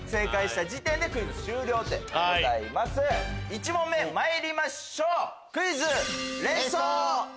１問目参りましょう！